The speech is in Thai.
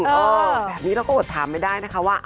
เออแบบนี้เราก็อดถามไม่ได้นะคะว่า